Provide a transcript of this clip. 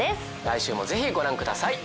来週もぜひご覧ください。